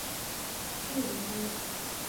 چیري ځې؟